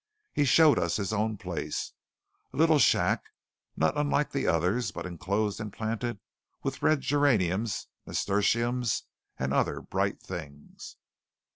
He showed us his own place, a little shack not unlike the others, but enclosed, and planted with red geraniums, nasturtiums and other bright things.